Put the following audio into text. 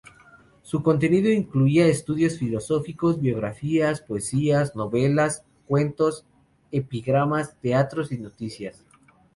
Su contenido incluía estudios filosóficos, biografías, poesías, novelas, leyendas, cuentos, epigramas, teatros y noticias.